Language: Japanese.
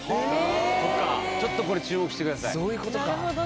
ちょっとこれ注目してください。